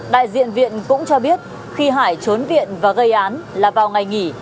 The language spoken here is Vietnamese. đại diện viện cũng cho biết khi hải trốn viện và gây án là vào ngày nghỉ